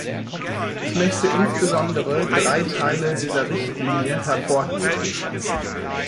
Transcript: Ich möchte insbesondere drei Teile dieser Richtlinie hervorheben.